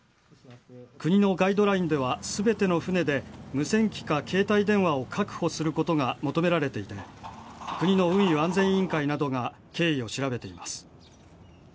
国のガイドラインでは全ての舟で無線機か携帯電話を確保することが求められていて国の運輸安全委員会などが経緯を調べています。